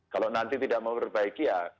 kalau nanti tidak memperbaiki ya